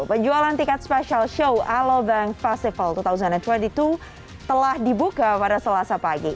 penjualan tiket special show alobank festival dua ribu dua puluh dua telah dibuka pada selasa pagi